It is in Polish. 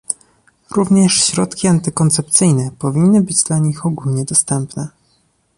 Również środki antykoncepcyjne powinny być dla nich ogólnie dostępne